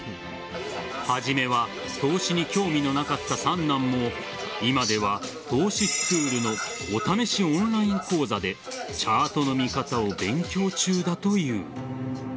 初めは投資に興味のなかった三男も今では投資スクールのお試しオンライン講座でチャートの見方を勉強中だという。